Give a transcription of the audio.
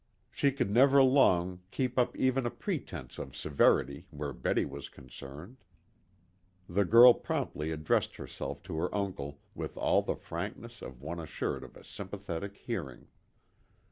She could never long keep up even a pretense of severity where Betty was concerned. The girl promptly addressed herself to her uncle with all the frankness of one assured of a sympathetic hearing.